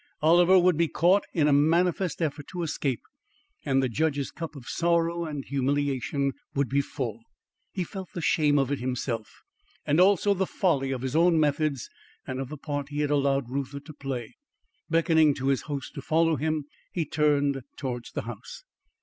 Oliver would be caught in a manifest effort to escape, and the judge's cup of sorrow and humiliation would be full. He felt the shame of it himself; also the folly of his own methods and of the part he had allowed Reuther to play. Beckoning to his host to follow him, he turned towards the house.